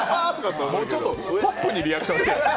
もうちょっとポップにリアクションして。